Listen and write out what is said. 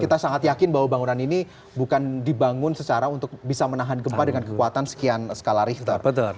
kita sangat yakin bahwa bangunan ini bukan dibangun secara untuk bisa menahan gempa dengan kekuatan sekian skala richter